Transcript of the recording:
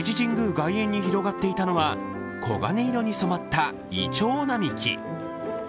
外苑に広がっていたのは、黄金色にそまったいちょう並木。